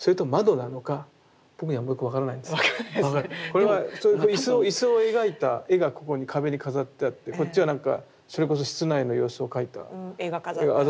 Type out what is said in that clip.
これは椅子を描いた絵がここに壁に飾ってあってこっちはなんかそれこそ室内の様子を描いた絵が飾ってあるのか。